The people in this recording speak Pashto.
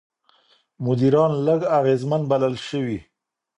مدیران لږ اغېزمن بلل شوي.